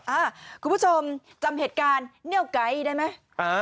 คุณผู้ชมจำเหตุการณ์เนียวไก๊ได้ไหม